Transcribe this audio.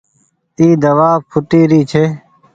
اي دوآ ڦوٽي ري ڇي۔